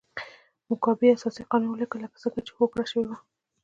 موګابي اساسي قانون ولیکه لکه څنګه چې هوکړه شوې وه.